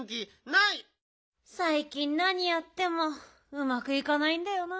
なにやってもうまくいかないんだよな。